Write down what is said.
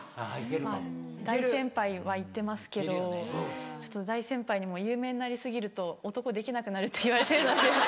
まぁ大先輩は行ってますけどちょっと大先輩にも「有名になり過ぎると男できなくなる」って言われてるので。